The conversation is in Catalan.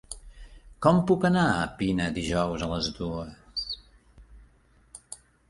Com puc anar a Pina dijous a les dues?